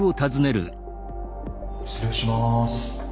失礼します。